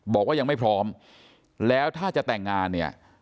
บอกว่ายังไม่พร้อมแล้วถ้าจะแต่งงานเนี่ย